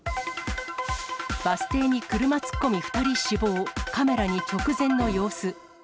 バス停に車突っ込み２人死亡、カメラに直前の様子。